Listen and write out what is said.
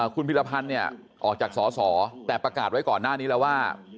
คุณพิรพันธ์เนี่ยออกจากสอสอแต่ประกาศไว้ก่อนหน้านี้แล้วว่า